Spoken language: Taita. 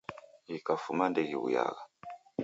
Ghikafuma ndeghiwuya.